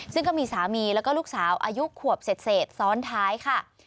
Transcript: ซึ่งก็มีสามีแล้วก็ลูกสาวอายุขวบเศษซ้อนท้ายค่ะ